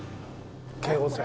京王線。